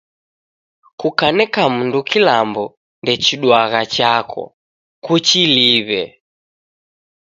Kukaneka mundu kilambo, ndechiduagha chako. Kuchiliw'e.